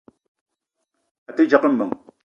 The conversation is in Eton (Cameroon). A te djegue meng.